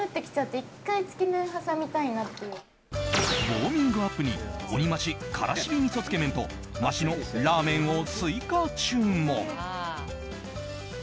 ウォーミングアップに鬼増しカラシビ味噌つけ麺と増しのラーメンを追加注文。